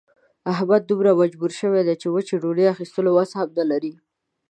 احمد دومره مجبور شوی چې د وچې ډوډۍ اخستلو وس هم نه لري.